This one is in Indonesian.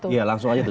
iya langsung aja tuh